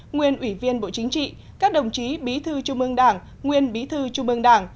nguyên ủy viên bộ chính trị các đồng chí bí thư trung ương đảng nguyên bí thư trung ương đảng